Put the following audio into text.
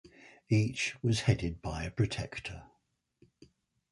Each was headed by a Protector.